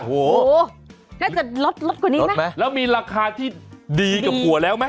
โหน่าจะลดกว่านี้มั้ยแล้วมีราคาที่ดีกับกว่าแล้วมั้ย